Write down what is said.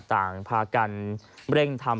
ต่างพากันเร่งทำ